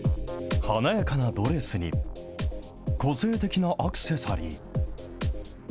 華やかなドレスに、個性的なアクセサリー。